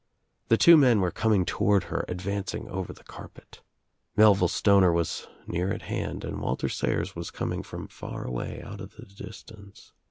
The two men were coming toward her, ad vancing over the carpet. Melville Stoner was near at hand and Walter Sayers was coming from far awajTi out of the distance.